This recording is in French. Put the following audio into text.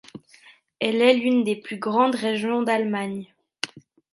Elle est l'une des plus grandes régions d'Allemagne.